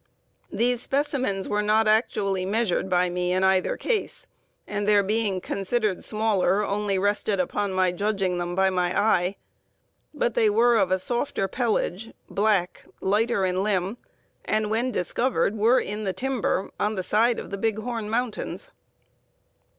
"These specimens were not actually measured by me in either case, and their being considered smaller only rested upon my judging them by my eye. But they were of a softer pelage, black, lighter in limb, and when discovered were in the timber, on the side of the Big Horn Mountains."